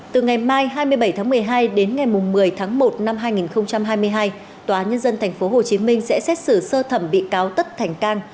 từ ngày mai hai mươi bảy tháng một mươi hai đến ngày một mươi tháng một năm hai nghìn hai mươi hai tòa nhân dân tp hcm sẽ xét xử sơ thẩm bị cáo tất thành cang